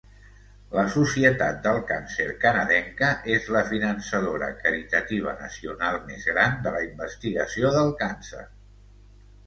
La Societat del Càncer canadenca és la finançadora caritativa nacional més gran de la investigació del càncer.